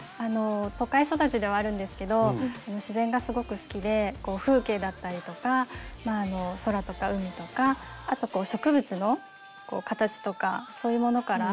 都会育ちではあるんですけど自然がすごく好きで風景だったりとか空とか海とかあと植物の形とかそういうものから。